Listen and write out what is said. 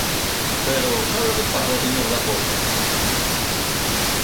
Pero ¿sabe o que pasa, señor Dacova?